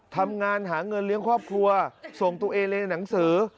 ทำงานหาเงินเลี้ยงครอบครัวส่งตัวเองเรียนหนังสือ